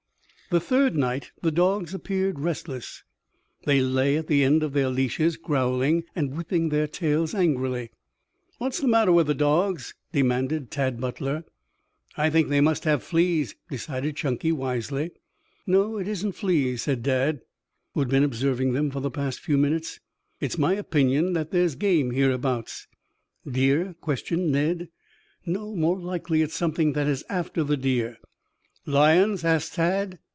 The third night the dogs appeared restless. They lay at the end of their leashes growling and whipping their tails angrily. "What is the matter with the dogs?" demanded Tad Butler. "I think they must have fleas," decided Chunky wisely. "No, it isn't fleas," said Dad, who had been observing them for the past few minutes. "It's my opinion that there's game hereabouts." "Deer?" questioned Ned. "No. More likely it's something that is after the deer." "Lions?" asked Tad.